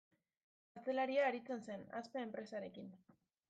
Atzelaria aritzen zen, Aspe enpresarekin.